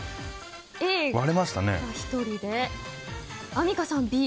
Ａが１人でアンミカさん、Ｂ。